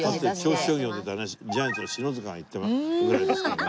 銚子商業を出たねジャイアンツの篠塚が言ってたぐらいですからね。